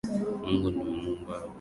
Mungu ni muumba wa mbingu na nchi.